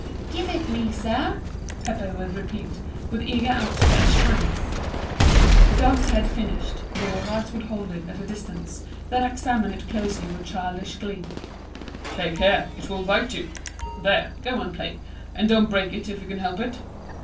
"Give it me, sir," Pépé would repeat, with eager outstretched hands. The dog's head finished, Bourras would hold it at a distance, then examine it closely with childish glee. "Take care, it will bite you! There, go and play, and don't break it, if you can help it."